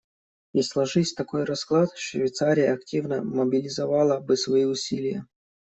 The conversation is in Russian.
И сложись такой расклад, Швейцария активно мобилизовала бы свои усилия.